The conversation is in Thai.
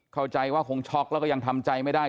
เข้าใจว่าคงช็อกแล้วก็ยังทำใจไม่ได้